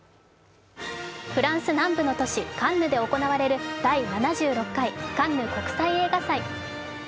フランス南部の都市・カンヌで行われる第７６回カンヌ国際映画祭。